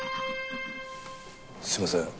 すいません。